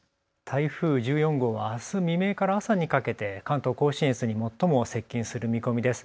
台風１４号はあす未明から朝にかけて関東甲信越に最も接近する見込みです。